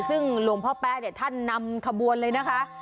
ซึ่งหลวงพ่อแป๊ะท่านนำคระบวนเลยนะคะ